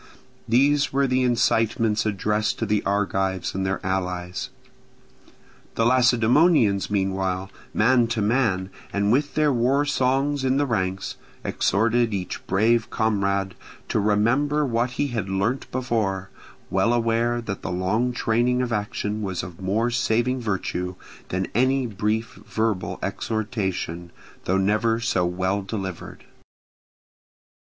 These were the incitements addressed to the Argives and their allies. The Lacedaemonians meanwhile, man to man, and with their war songs in the ranks, exhorted each brave comrade to remember what he had learnt before; well aware that the long training of action was of more saving virtue than any brief verbal exhortation, though never so well delivered.